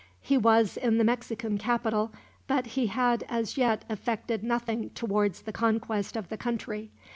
He was in the Mexican capital, but he had as yet effected nothing towards the conquest of the country.